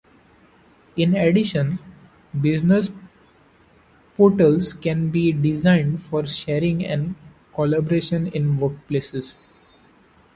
In addition, business portals can be designed for sharing and collaboration in workplaces.